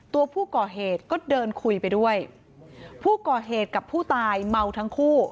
ตัวผู้ก่อเหตุก็เดินคุยไปด้วยผู้ก่อเหตุกับผู้ตายเมาทั้งคู่